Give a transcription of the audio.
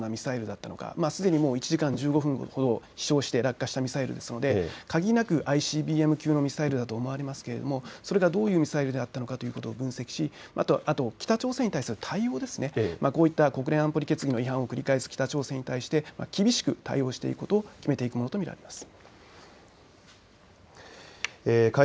今回のミサイルがどのようなミサイルだったのか、すでにもう１時間１５分ほど飛しょうして落下したミサイルなので限りなくＩＣＢＭ級のミサイルだと思われますが、それがどういうミサイルだとかということを分析し北朝鮮に対する対応、こういった国連安保理決議違反を繰り返す北朝鮮に対して厳しく対応していくことを決めていくと見られます。